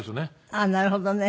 あっなるほどね。